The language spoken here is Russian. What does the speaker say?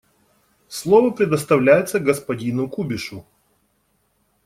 Слово предоставляется господину Кубишу.